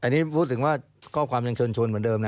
อันนี้พูดถึงว่าก็ความเชิญเชิญเชิญเหมือนเดิมนะ